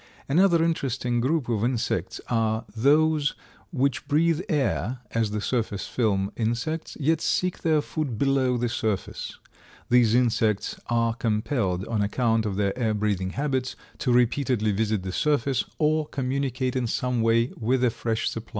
Another interesting group of insects are those which breathe air, as the surface film insects, yet seek their food below the surface. These insects are compelled, on account of their air breathing habits, to repeatedly visit the surface or communicate in some way with a fresh supply of air.